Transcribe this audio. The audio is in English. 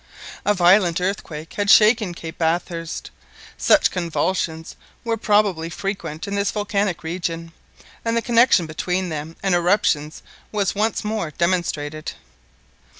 A violent earthquake had shaken Cape Bathurst. Such convulsions were probably frequent in this volcanic region, and the connection between them and eruptions was once more demonstrated.